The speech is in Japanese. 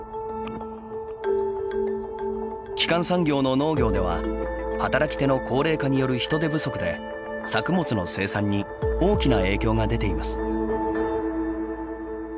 基幹産業の農業では働き手の高齢化による人手不足で作物の生産に大きな影響が出ています。